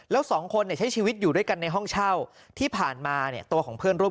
แล้วสองคนเนี่ยใช้ชีวิตอยู่ด้วยกันในห้องเช่าที่ผ่านมาเนี่ยตัวของเพื่อนร่วม